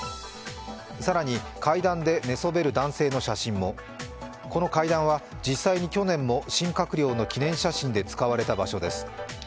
更に、階段で寝そべる男性の写真もこの階段は実際に去年も新閣僚の記念写真で使われた場所です。